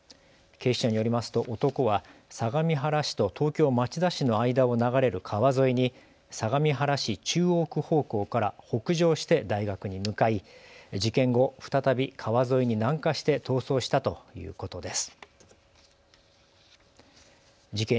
警視庁によりますと男は相模原市と東京町田市の間を流れる川沿いに相模原市中央区方向から北上して大学に向かい事件後、再び川沿いに南下して逃走したということです。